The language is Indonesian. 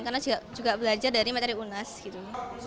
karena juga belajar dari materi unas gitu